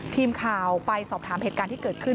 ทีมข่าวไปสอบถามเหตุการณ์ที่เกิดขึ้น